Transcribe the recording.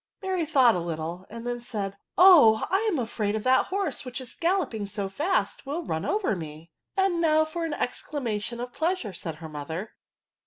Mary thought a little^ and then said, " Oh ! I am afraid that horse, which is galloping so £ast, will run over me 1" *^ And now for an exclamation of plea* sure," said her mother.